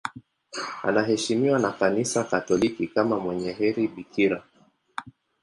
Anaheshimiwa na Kanisa Katoliki kama mwenye heri bikira.